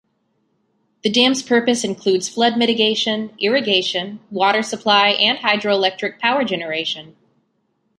The dam's purpose includes flood mitigation, irrigation, water supply and hydro-electric power generation.